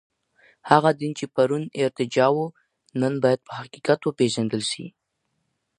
هغه دين چي پرون ارتجاع وه، نن بايد په حقيقت وپېژندل سي.